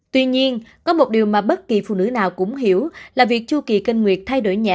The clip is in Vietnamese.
tuy nhiên có một điều mà bất kỳ phụ nữ nào cũng hiểu là việc chu kỳ kinh nguyệt thay đổi nhẹ